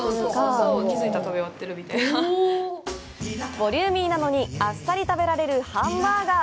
ボリューミーなのにあっさり食べられるハンバーガー。